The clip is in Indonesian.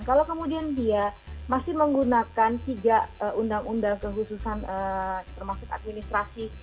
kalau kemudian dia masih menggunakan tiga undang undang kehususan termasuk administrasi